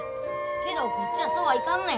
けどこっちはそうはいかんのや。